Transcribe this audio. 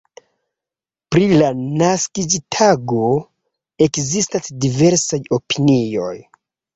Pri la naskiĝtago ekzistas diversaj opinioj.